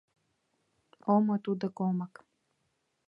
Омо тудо омак.